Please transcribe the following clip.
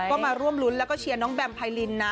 ก็มาร่วมรุ้นแล้วก็เชียร์น้องแบมไพรินนะ